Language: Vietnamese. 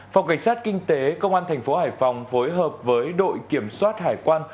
phòng cảnh sát kinh tế công an tp hải phòng phối hợp với đội kiểm soát hải quan